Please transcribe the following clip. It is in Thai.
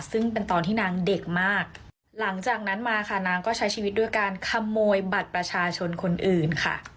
ซึ่งเป็นตอนที่นางเด็กมากหลังจากนั้นมาค่ะนางก็ใช้ชีวิตด้วยการขโมยบัตรประชาชนคนอื่นค่ะ